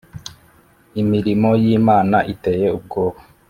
imirimo y’imana iteye ubwoba